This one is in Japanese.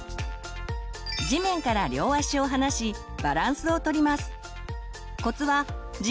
地面から両足を離しバランスをとります。